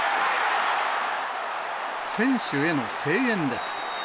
選手への声援です。